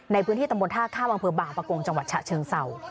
ในพื้นที่ตะมดท่ากคาบางเภือบางประกงจังหวัดฉะเชิงเซา